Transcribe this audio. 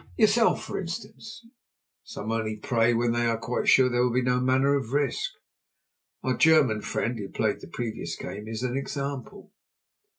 Yourself, for instance. Some only prey when they are quite sure there will be no manner of risk. Our German friend who played the previous game is an example.